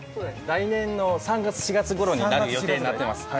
来年の３月、４月ごろになる予定になってます。